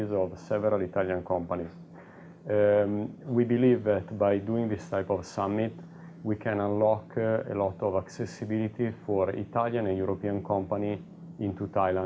kami memiliki hasil positif karena kami memiliki penduduk dari kementerian transportasi dan beberapa badan pemerintah lain